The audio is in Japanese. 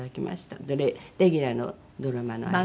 レギュラーのドラマの間。